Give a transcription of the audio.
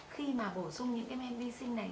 khi mà bổ sung những cái men vi sinh này